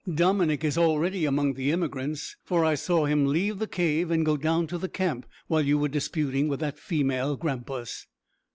Dominick is already among the emigrants, for I saw him leave the cave and go down to the camp when you were disputing with that female grampus."